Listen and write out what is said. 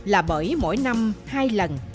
là bởi mỗi năm hai lần